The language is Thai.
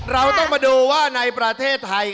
เราต้องมาดูว่าในประเทศไทย